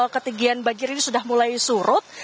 ketinggian banjir ini sudah mulai surut